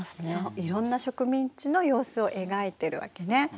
そういろんな植民地の様子を描いてるわけね。